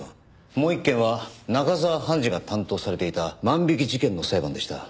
もう一件は中澤判事が担当されていた万引き事件の裁判でした。